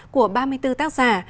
của ba mươi bốn tác giả